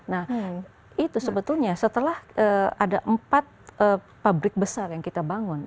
nah itu sebetulnya setelah ada empat pabrik besar yang kita bangun